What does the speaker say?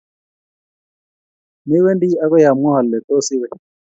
Me wendi akoi amwa kole tos iwe